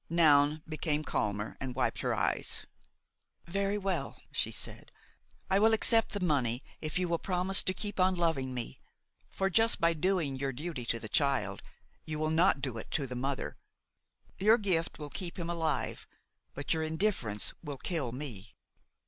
Noun became calmer and wiped her eyes. "Very well," she said, "I will accept the money if you will promise to keep on loving me; for, just by doing your duty to the child, you will not do it to the mother. Your gift will keep him alive, but your indifference will kill me.